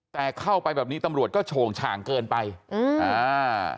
แต่เข้าไปแบบนี้ตำรวจก็โฉงฉ่างเกินไปอืมอ่า